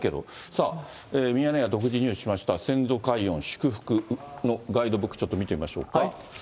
さあ、ミヤネ屋独自入手しました、先祖解怨・祝福のガイドブック、ちょっと見てみましょうか。